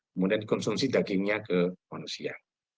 kemudian konsumsi dagingnya ke manusia